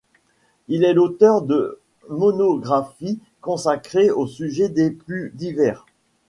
Il est l'auteur de monographies consacrées aux sujets les plus divers.